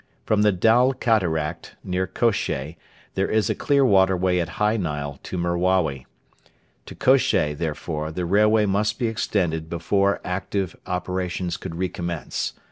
From the Dal Cataract near Kosheh there is a clear waterway at high Nile to Merawi. To Kosheh, therefore, the railway must be extended before active operations could recommence.